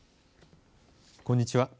こんにちは。